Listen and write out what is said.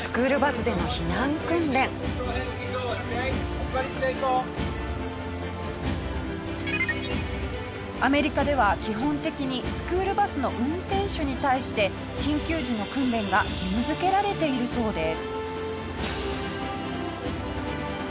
そんなアメリカでは基本的にスクールバスの運転手に対して緊急時の訓練が義務づけられているそうです。